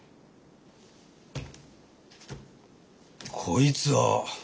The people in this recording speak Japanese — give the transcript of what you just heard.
こいつは。